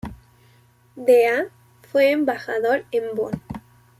De a fue embajador en Bonn.